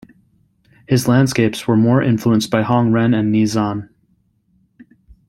His landscapes were more influenced by Hong Ren and Ni Zan.